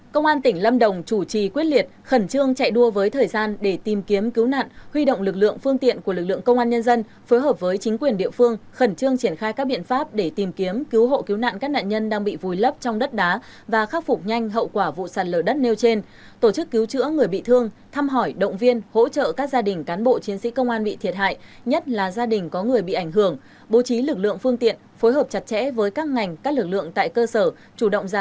công an tỉnh lâm đồng chủ trì quyết liệt khẩn trương chạy đua với thời gian để tìm kiếm cứu nạn huy động lực lượng phương tiện của lực lượng công an nhân dân phối hợp với chính quyền địa phương khẩn trương triển khai các biện pháp để tìm kiếm cứu hộ cứu nạn các nạn nhân đang bị vùi lấp trong đất đá và khắc phục nhanh hậu quả vụ sàn lở đất nêu trên tổ chức cứu chữa người bị thương thăm hỏi động viên hỗ trợ các gia đình cán bộ chiến sĩ công an bị thiệt hại nhất là gia đình có người bị ảnh hưởng bố trí lực lượng ph